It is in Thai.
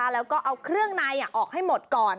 แล้วก็เอาเครื่องในออกให้หมดก่อน